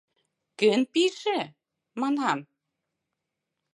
Кӧн пийже, манам?